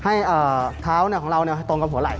ให้เท้าของเราตรงกับหัวไหล่